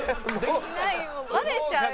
バレちゃうよ！